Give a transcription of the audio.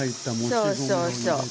そうそうそう。